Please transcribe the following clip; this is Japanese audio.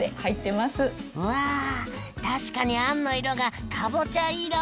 うわ確かにあんの色がカボチャ色。